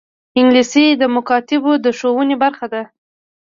انګلیسي د مکاتبو د ښوونې برخه ده